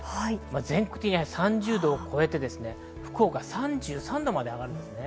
全国的に３０度を超えて福岡３３度まで上がります。